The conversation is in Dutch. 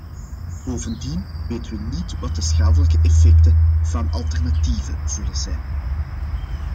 Bovendien weten we niet wat de schadelijke effecten van alternatieven zullen zijn.